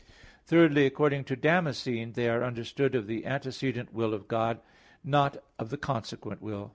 Thirdly, according to Damascene (De Fide Orth. ii, 29), they are understood of the antecedent will of God; not of the consequent will.